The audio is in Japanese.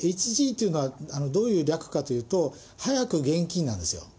ＨＧというのはどういう略かというと、早く現金なんですよ。